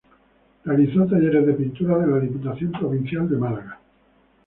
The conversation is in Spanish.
Realizó talleres de pintura de la Diputación provincial de Málaga.